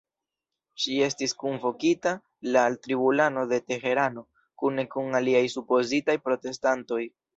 Ŝi estis kunvokita la al tribunalo de Teherano kune kun aliaj supozitaj protestantoj.